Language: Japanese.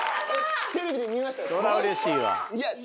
テレビで見ましたすごい。